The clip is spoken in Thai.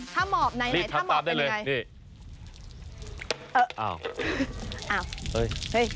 นายสำเร็จทาหมอบไปยังไง